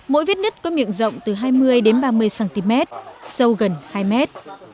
mỗi vết nứt có miệng rộng từ hai mươi đến ba mươi cm sâu gần hai mét